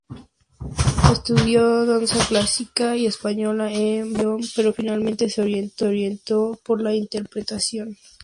Estudió danza clásica y española con vocación pero finalmente se orientó por la interpretación.